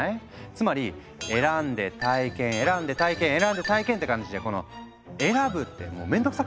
つまり「選んで体験」「選んで体験」「選んで体験」って感じでこの選ぶって面倒くさくない？